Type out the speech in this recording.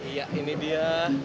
iya ini dia